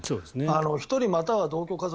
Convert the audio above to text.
１人または同居家族。